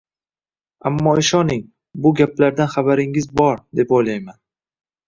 Ammo ishoning, bu gaplardan xabaringiz bor, deb o`ylabman